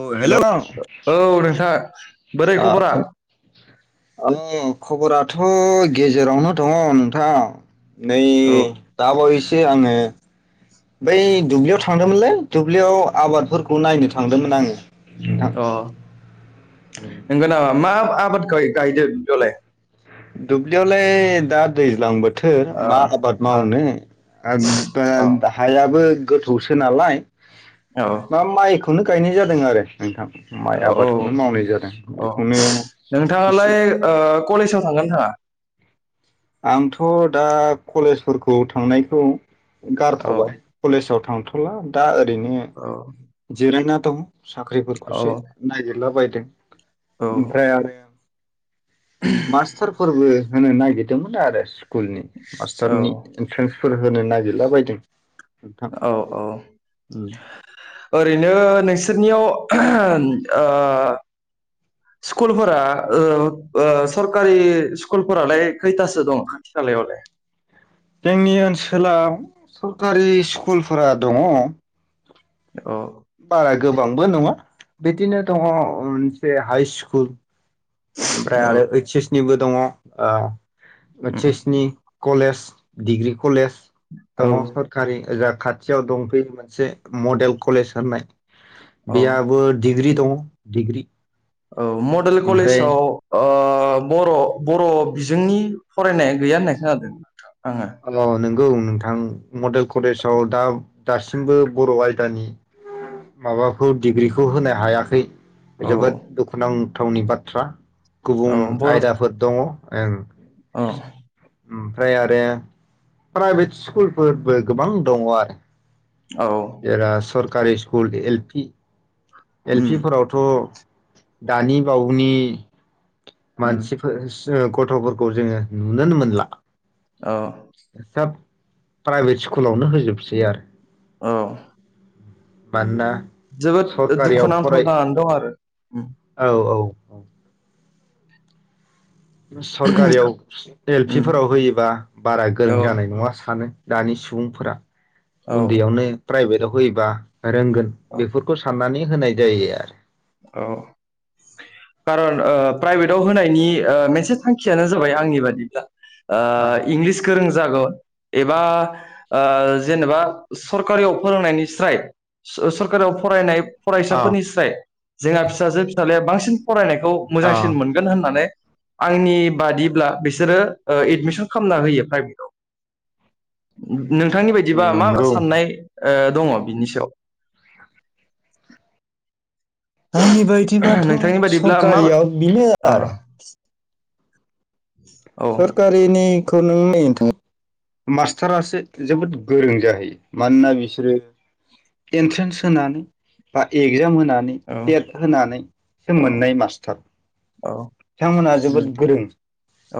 औ hello hello औ नोंथां बोरै खबरा औ खबराथ' गेजेरावनो दङ नोंथां नै औ दाबावैस जे आङो बै दुब्लियाव थांदोंमोनलै दुब्लियाव आबादफोरखौ नायनो थांदोंमोन आङो नोंथां अ नंगौ नामा मा आबाद गाय गायदों दुब्लियावलाय दुबलियावलाय दा दैज्लां बोथ थोर अ मा आबाद अ मावनो आग अ दा हायाबो गोथौसो नालाय औ मा माइ खौनो गायनाय जादों आरो नोंथां माइ औ आबादखौनो मावनाय जादों औ बेखौनो नोंथाङालाय एसे ओ कलेजाव थांगोन थाङा आंथ' दा कलेजफोरखौ थांनायखौ औ गारथ'बाय कलेजाव थांथ'ला दा रैनो औ जिरायना थ औ साख्रिफोरखौसो नायगिरलाबाय दे औ ओमफ्राय आरो मास्टार फोरबो होनो नागिद दोंमोन आरो स्कुलनि औ मास्टारनि इन्ट्रेन्स फोर होनो नागिरला बायदों औ -औ ओरैनो नोंसोरनियाव ओ स्कुलफोरा ओ - ओ सरकारि स्कुलफोरालाय खैथासो दं खाथि खालायावलाय जोंनि ओनसोला सरखारि स्कुलफोरा दङ औ बारा गोबांबो नङा बिदिनो दङ मोनसे हाइ स्कुल ओमफ्राय औ आरो इडस एस निबो दङ ओ बासेसनि कलेज डिग्रि कलेज औ दङ सरकारि ओजाब खाथियाव दंफैयो मोनसे मडेल कलेज होननाय औ बेयाबो डिग्रि दं डिग्रि औ मडेल ओमफ्राय कलेजाव ओ बर' बर' बिजोंनि फरायनाया गैया होननाय खोनादों ना हले नंगौ नोंथां मडेल कलेजाव दा दासिमबो बर' आयदानि माबाखौ डिग्रिखौ होनो हायाखै औ जोबोद दुखुनां गोथावनि बाथ्रा औ गुबुन बर' आयदाफोर दङ औं औ ओमफ्राय आरो प्राइभेट स्कुलफोरबो गोबां दङ आरो औ जा सरकारि school L P L um P फोरावथ' दानि बावनि उम मानसिफोर गथ'फोरखौ जोङो नुुनोनो मोनला औ सब प्राइभेट स्कुलावनो होजोबसै आरो औ बदा जोबोद दुख दुखुनांथाव जानानै दं आरो ओ औ औ सरकारियाव एल पि उम फोराव होयोबा बारा गोरों औ जानाय नङा सानो दानि सुबुंफोरा औ हदियावनो प्राइभेट फयबा रोंगोन औ बेफोरखौ साननानै नाय जायो आरो औ खारन ओ प्राइभेटाव होनायनि ओ मोनसे थांखियानो जाबाय आंनि बादिब्ला आरो ओ इंलिस गोरों जागोन एबा ओ जेनेबा सरकारियाव फोरोंनायनि स्राय स सरकारियाव फरायनाय अ फरायसाफोरनि स्राय जोंहा फिसाजो फिसाजाया बांसिन फरायनायखौ अ मोजांसिन मोनगोन होननानै आंनि बादिब्ला बिसोरो एडमिसन खालामना होयो प्राइभेटआव नोंथांनि बायदिबा मा नंगौ साननाय ओ दङ बिनि सायाव आंनि बायदिबाथ नोंथांनि बायदिब्ला मा सरकारियाव बेनो आरो ओ सरकारिनि खौ नायनो थाङोब्ला मास्टारासो जोबोद गोरों जाहैयो मानोना बिसोरो एन्ट्रेन्स होनानै बा एगजाम हो नानै औ टेट होनानै औ मोननाय मास्टार औ बिथांमोना उम जोबोद गोरों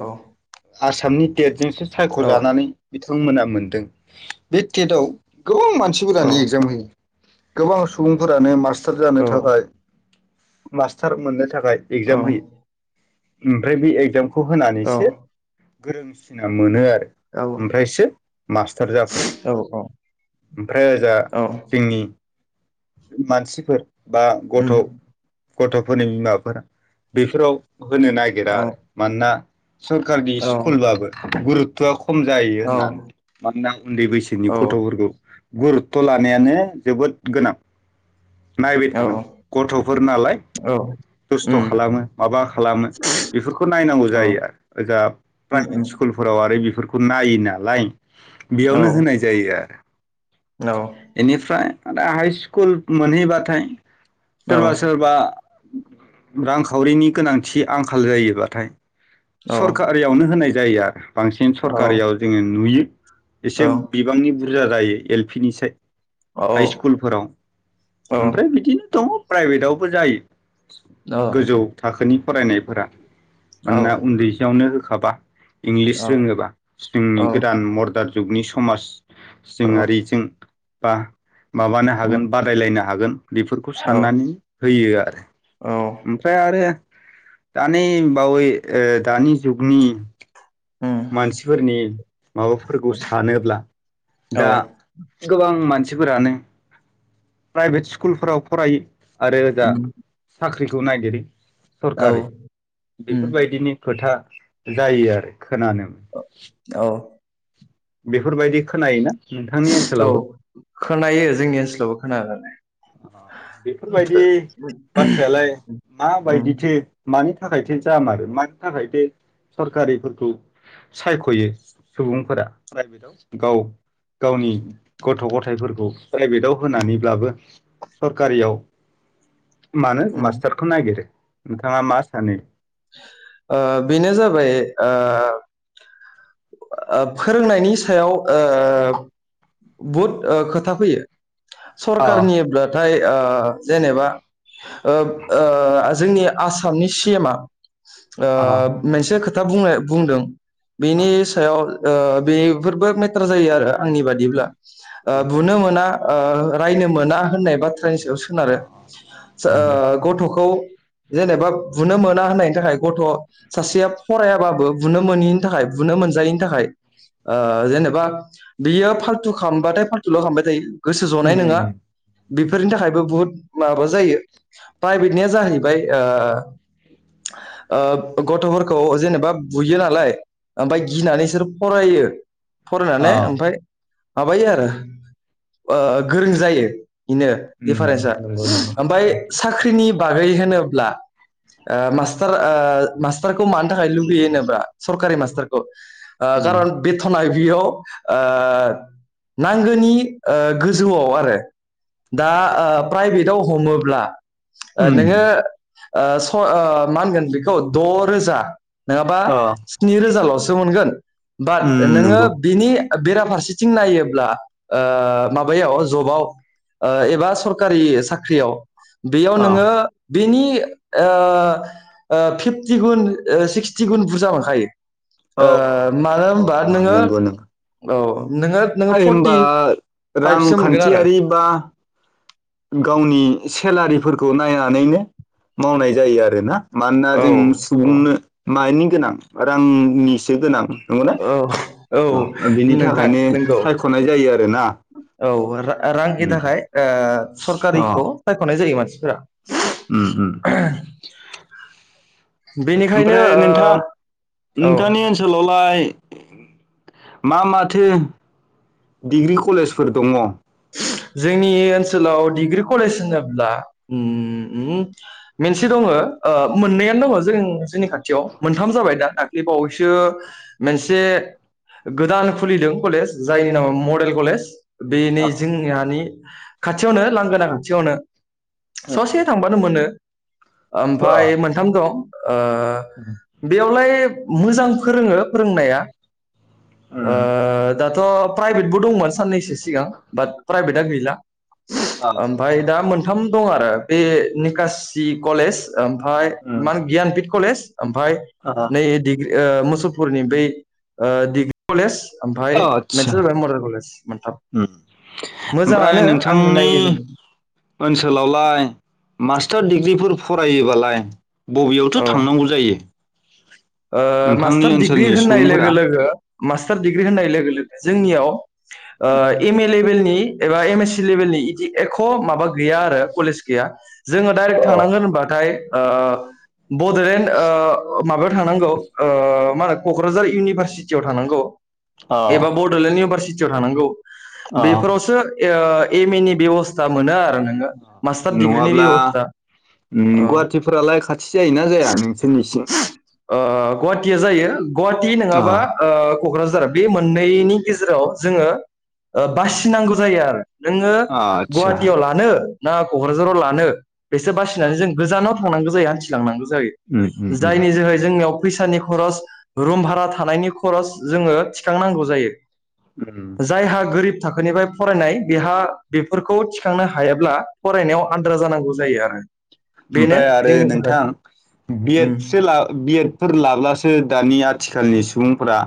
औ आसामनि टेट जोंसो औ सायख'जानानै बिथां बिथांमोना मोनदों बे टेटआव गोबां औ मानसिफोरानो एगजाम होयो गोबां सुबुंफोरानो मास मास्टार औ जानो थाखाय मास्टार मोनानो थाखाय औ एगजाम होयो ओमफ्राय बे एगजाम खौ होनानैसो गोरोंसिना मोनो आरो औ ओमफ्रायसो मास्टार जाफैयो ओमफ्राय ओजा औ जोंनि मानसिफोर बा गथ उम गथफोरनि बिमाफोरा बेफोराव होनो औ नागिरा आरो मानोना सरकारनि औ स्कुलबाबो गुरु [inaudible] खम जाहोयो औ होननानै मानोना उन्दै बैसोनि गथफोरखौ गुरुत लानायानो जोबोद गोनां नायबाय औ थानांगौ गथफोर नालाय दुस्थ उम खालामो माबा खालामो बेफोरखौ नायनांगौ औ जायो आरो ओजा उम प्राइभेट उम स्कुलफोराव आरो बेफोर बेफोरखौ नायो नालाय औ बेयावनो होनाय जायो आरो औ एनिफ्राय [unintelligible] हायस कुल मोनैबाथाय औ सोरबा सोरबा रांखावरिनि गोनांथि आंखाल जायोबाथाय औ सरकारियावनो होनाय जायो आरो बांसिन सरकारियाव जोङो नुयो एसे औ बिबांनि बु बुरजा जायो एल पि नि साइ हाइ स्कुलफोराव ओमफ्राय औ बिदिनो दङ प्राइभेटआवबो जायो उम गोजौ थाखोनि फरायनायफोरा औ मानोना औ उन्दैयावनो खाबा उम इंलिस औ रोङोबा जोंनि गोदान मदार्न जुगनि समाज उम जोंआरिजों बा माबानो हागोन रायलायनो हागोन बेफोरखौ साननानै होयो [inaudible] ओमफ्राय आरो दानि बावै ओ दानि जुगनि मानसिफोरनि माबाफोरखौ सानोब्ला दा गोबां मान मानसिफोरानो प्राइभेट स्कुलफोराव फरायो आरो ओजा सा ख्रिखौ नागिरो सरखारि बेफोरबायदिनि खोथा जायो आरो खोनानो मोनो औ उम औ [inaudible] बेफोरबायदि खोनायोना नोंथांनि औ ओनसोलावबो खोनायो जोंनि ओनसोलावबो खोनायो [unintelligible] अ बेफोरबायदि बाथ्रायालाय उम माबायदिथो मानि थाखायथो जाामारो मानि थाखायो सरखारिफोरखौ सायखयो सुबुंफोरा प्राइभेटआव गाव गावनि गथ गथाइफोरखौ प्राइभेटआव होनानै बाबो सरकारियाव मानो उम मास्टारखौ नागिरो नोंथाङा मा सानो ओ बेनो जाबाय ओ फोरोंनायनि सायाव ओ बहुद ओ खोथा फैयो अ सरखारनिब्लाथाय ओ जेनेबा ओ ओ जोंनि आसामनि सि एमा ओ अ मोनसे खो था बुंनाय बुंदों अ बिनि सायाव ओ बेफोरबो मेटार जायो आरो आंनि बादिब्ला ओ अ बुनो मोना ओ रायनो मोना होननाय बाथ्रा नि सायाव सोनारो अ ओ नंगौ गथखौ जेनेबा बुनो मोना होननायनि थाखाय गथ सासेया फरायाबाबो बुनो मोनिनि थाखाय बुनो मोनजायैनि थाखाय ओ जेनेबा बियो फाल्थु खबाथाय फाल्थुल खालामबाय थायो गोसो जनाय उम नंङा नंगौ बेफोरनि थाखायबो बुहुद माबा जायो प्राइभेटनिया जाहैबाय ओ ओ गथफोरखौ जेनेबा बुयो नालाय ओमफाय गिनानै बिसोर फरायो अ फरायनानै ओमफाय माबायो आरो ओ गोरों जायो। बेनो उम दिडफारेन्सा नंगौ नंगौ ओमफाय साख्रिनि बागै होनोब्ला ओ मासटार ओ मास फोरखौ मानो थाखाय लुगैयो होनोबा सरकारि मास सोरखौ? ओ उम खारन बेथना बियाव ओ नांगौनि गोजौआव आरो दा प्राइभेट हमोब्ला उम नोङो ओ स ओ मा होनगोन बेखौ द रोजा नङाबा अ स्नि रोज रोजा लसो मोनगोन। उम बाट नोङो नंगौ बिनि बेराफारसेथिं नायोब्ला माबायाव जबाव एबा सरखारि साख्रियाव बेयाव अ नोङो बेनि फिफ्टि गुन सिक्सटि गुन बुरजा मोनखायो औ मानो होनबा नोङो औ। नोङो नोङो फर्टि होनबा फाइभसो मोनगोन आरो रांखान्थियारि बा गावनि सेलारिफोरखौ नायनानैनो मावनाय जायो आरो ना? मानोना औ जों औ सुबुंनो मानि गोनां रांनिसो गोनां नंगौना औ औ अ बिनि नोंथां थाखायनो नंगौ सायख'नाय जायो आरोना औ रांनि उम थाखाय ओ अ सरकारिखौ सायख'नाय जायो मानसि [unintelligible] उम उम बेनिखायनो ओमफ्राय नोंथां ओ औ नोंथांनि ओनसोलावलाय मा माथो डिग्रि कलेजफोर दङ? जोंनि ओनसोलाव डिग्रि कलेज होनोब्ला उम उम मेनसे दङो ओ मोननैयानो दङ जों जोंनि खाथियाव मोनथाम जाबाय दा दाखलि बावैसो मेनसे गोदान खुलिदों कलेज जायनि नामा मडेल कलेज। बेनि औ जोंहानि खाथियावनो लांगोना खाथियावनो। ससे उम थांबानो मोनो। अ ओमफाय मोनथाम दं। ओ बेयावलाय मोजां फोरोङो फोरोंनाया उम ओ दाथ' प्राइभेटबो दंमोन साननैसो सिगां। बाट प्राइभेटआ गैला आदसा ओमफाय दा मोनथाम दं आरो बे निकासि कलेज ओमफाय उम मान गियानपिट कलेज ओमफाय आहा नै डिग्रि ओ मुसलपुरनि बै ओ डिग्रि कलेज ओमफ्राय आदसा मोनसे जाबाय मडेल कलेज मोनथाम। उम ओमफ्राय मोजाङानो आंनि नोंथांनि नायै औ ओनसोलावलाय मास्टार दिडिग्रिफोर फरायोबालाय बबेयावथ' थांनांगौ जायो? ओ नोंथांनि मास्टार डिग्रि ओनसोलनि होननाय लोगो सुबुंफोरा लोगो मास्टार डिग्रि होननाय लोगो लोगो जोंनियाव ओ एम ए लेभेलनि एबा एम एस सि लेभेलनि दि एख' माबा गैया आरो कलेज गैया। जोङो डाइरेक्ट औ थांनांगोन होनबाथाय ओ बड'लेण्ड ओ माबा थांनांगौ ओ मा होनो क'क्राझार इउनिभारसिट टियाव थांनांगौ औ एबा बड'लेण्ड इउभारसिट टियाव थानांगौ। औ बेफोरावसो ए ओ एम ए नि बेब'स्था मोनो आरो नोङो मास्टार डिग्रिनि नङाब्ला बेब'स्था औ गुवाहाटिफोरालाय खाथि जायोना जाया नोंसोरनिसिं? ओ गुवाहाटिया जायो गुवाहाटि अ नङाबा ओ क'क्राझार बे मोननैनि गेजेराव जोङो ओ बासिनांगौ जायो आरो। नोङो आदसा गुवाहाटियाव लानो ना क'क्राझाराव लानो बेसो बासिनानै जों गोजानाव थांनांगौ जायो हान्थिलांनांगौ जायो। उम उम जायो उम जायनि जोहै जोंनियाव फैसानि खरस रुम भारा थानायनि खरस जोङो थिखांनांगौ जायो। उम जायहा गोरिब थाखोनिफ्राय फरायनाय बेहा बेफोरखौ थिखांनो हायाब्ला फरायनायाव आद्रा जानांगौ जायो आरो। बेनो ओमफ्राय आरो जोंनि थाखाय नोंथां बि उम एडसो ला बि एड फोर लाब्लासो दानि आथिखालनि सुबुंफोरा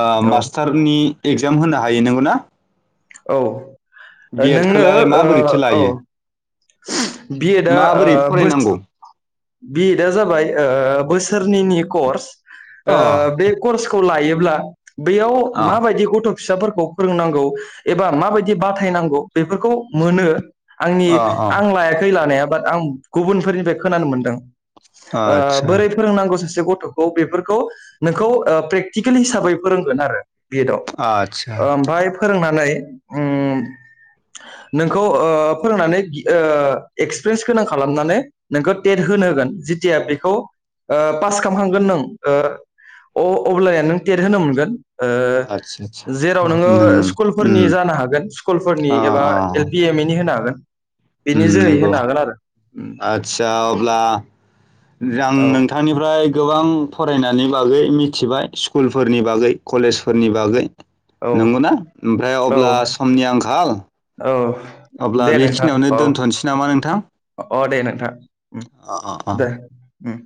ओ औ मास्टारनि एगजाम होनो हायो नंगौ ना? औ। नोंनो खौलाय माबोरैथो ओ औ लायो बि एडआ ओ माबोरै बोस फरायनांगौ बि एडआ जाबाय बोसोरनैनि कर्स। ओ अ बे कर्सखौ लायो ब्ला बेयाव अ माबायदि गथ' फिसाफोरखौ फोरोंनांगौ एबा माबायदि बाथायनांगौ? बेफोरखौ मोनो आंनि अ अ आं लायाखै लानाया। बाट आं गुबुनफोरनिफ्राय खोनानो मोनद दों। ओ आदसा बोरै फोरोंनांगौ सासे से गथ'खौ बेफोरखौ नोंखौ प्रेक्टिकेल हिसाबै फोरोंगोन आरो। बि आदसा एडआव ओमफ्राय फोरोंना नानै ओम नोंखौ फोरोंनानै एक्सपिरियेन्स गोनां खालामनानै नोंखो टेट होनो होगोन जिथिया बेखौ ओ पास खालामखांगोन नों ओ अ-अब्ला नों टेट होनो मोनगोन। ओ आदसा आदसा जेराव नोङो उम स्कुलफोरनि उम जानो हागोन स्कुलफोरनि अ एबा एल अ पि एम इ नि होनो हागोन। [inaudible] उम जोहै नंगौ होनो हागोन आरो आतसा। अब्ला आं औ नोंथांनिफ्राय गोबां फरायनायनि बागै मिथिबाय स्कुलफोरनि बागै कलेजफोरनि बागै नंगौनाा ओमफ्राय औ अब्ला समनि आंखाल औ अब्ला दे नोंथां बेखिनियावनो औ दोन्थ'नोसै नामा नोंथां। अ दे नोंथां। अ अ अ। उम।